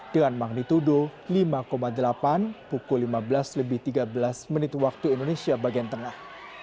dengan magnitudo lima delapan pukul lima belas lebih tiga belas menit waktu indonesia bagian tengah